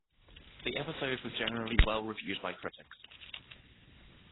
The episode was generally well reviewed by critics.